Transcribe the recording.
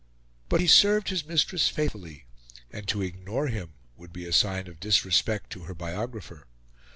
But he served his mistress faithfully, and to ignore him would be a sign of disrespect to her biographer.